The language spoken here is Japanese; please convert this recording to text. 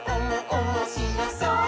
おもしろそう！」